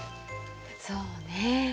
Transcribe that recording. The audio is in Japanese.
そうね。